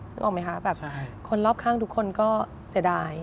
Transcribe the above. นึกออกไหมคะแบบคนรอบข้างทุกคนก็เสียดาย